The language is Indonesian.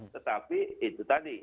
tetapi itu tadi